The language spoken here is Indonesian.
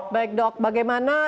baik dok bagaimana